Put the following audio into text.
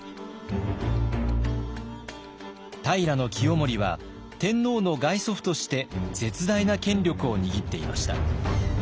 平清盛は天皇の外祖父として絶大な権力を握っていました。